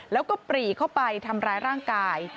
แล้วก็ปรีเข้าไปทำร้ายร่างกาย